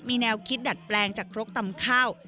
มีแนวคิดดัดแปลงจากครกตำข้าว